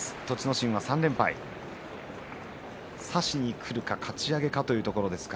心は３連敗差しにくるかかち上げかというところです。